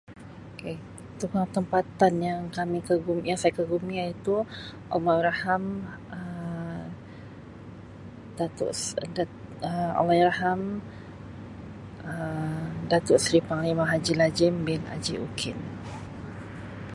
Ok tokoh tempatan yang kami kagumi yang saya kagumi iaitu Allahyarham Um Dato' Sri Um Allahyarham Um Dato' Sri Panglima Haji Lajim bin Haji Ukin.